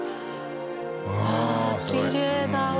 うわきれいだわ。